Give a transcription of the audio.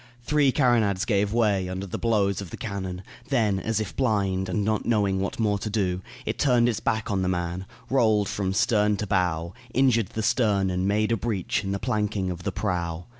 Three carronades gave way under the blows of the cannon; then, as if blind and not knowing what more to do, it turned its back on the man, rolled from stern to bow, injured the stern and made a breach in the planking of the prow.